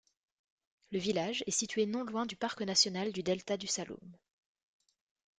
Le village est situé non loin du Parc national du delta du Saloum.